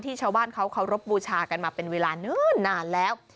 ที่ชาวบ้านเขารบบูชากันมาเป็นเวลานานแล้ว